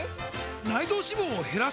内臓脂肪を減らす！？